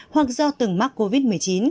hoặc do từng mắc covid